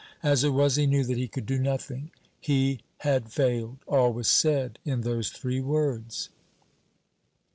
As it was, he knew that he could do nothing. He had failed. All was said in those three words.